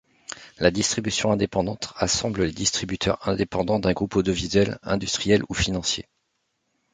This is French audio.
La distribution indépendante rassemble les distributeurs indépendants d'un groupe audiovisuel, industriel ou financier.